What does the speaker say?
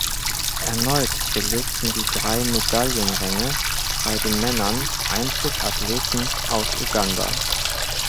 Erneut belegten die drei Medaillenränge bei den Männern einzig Athleten aus Uganda.